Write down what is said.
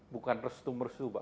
bukan restu mersu pak